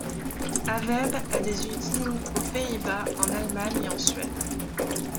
Avebe a des usines aux Pays-Bas, en Allemagne et en Suède.